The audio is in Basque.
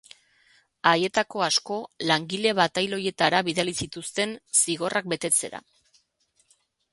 Haietako asko langile batailoietara bidali zituzten zigorrak betetzera.